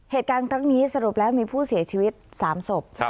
เหตุการณ์ครั้งนี้สรุปแล้วมีผู้เสียชีวิต๓ศพ